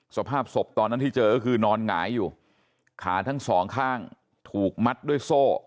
สภาพศพตอนนั้นที่เจอก็คือนอนหงายอยู่ขาทั้งสองข้างถูกมัดด้วยโซ่